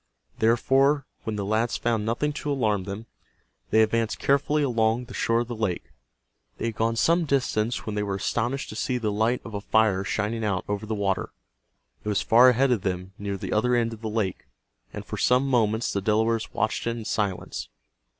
Therefore, when the lads found nothing to alarm them, they advanced carefully along the shore of the lake. They had gone some distance when they were astonished to see the light of a fire shining out over the water. It was far ahead of them near the other end of the lake, and for some moments the Delawares watched it in silence.